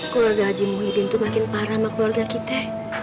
keluarga haji muhyiddin itu makin parah sama keluarga kita